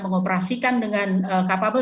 mengoperasikan dengan kapabel